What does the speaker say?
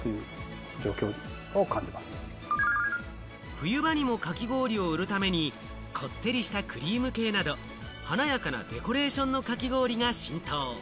冬場にも、かき氷を売るために、こってりしたクリーム系など華やかなデコレーションのかき氷が浸透。